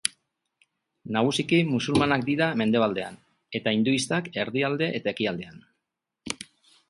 Nagusiki musulmanak dira mendebaldean eta hinduistak erdialde eta ekialdean.